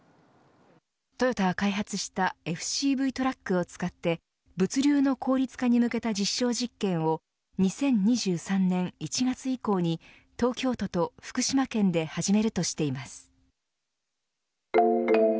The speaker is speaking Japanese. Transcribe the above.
トヨタは開発したＦＣＶトラックを使って物流の効率化に向けた実証実験を２０２３年１月以降に東京都と福島県で始めるとしています。